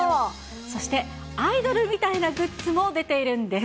そしてアイドルみたいなグッズも出ているんです。